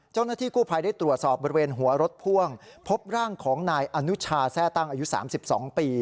เจ้าหน้าที่กู้ภัยได้ตรวจสอบบริเวณหัวรถพ่วงพบร่างของนายอนุชาแทร่ตั้งอายุ๓๒ปี